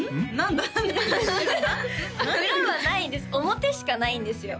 表しかないんですよ